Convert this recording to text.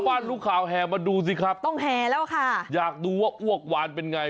ทะวันลูกขาวแฮมาดูสิครับอยากดูว่าอวกหวานเป็นไง